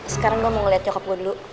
sekarang gue mau liat nyokap gue dulu